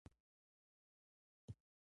له دولت ملت مډرنو مفاهیمو اشنا نه وو